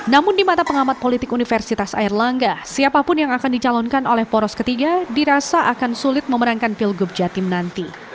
namun di mata pengamat politik universitas airlangga siapapun yang akan dicalonkan oleh poros ketiga dirasa akan sulit memerangkan pilgub jatim nanti